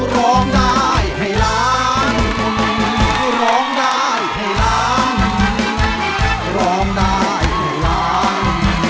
ร้องได้ให้ร้าน